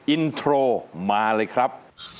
อินโทรมาเลยครับ